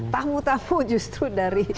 tamu tamu justru dari